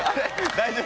大丈夫？